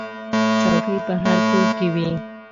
چوکۍ په هر کور کې وي.